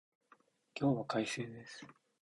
今日は快晴です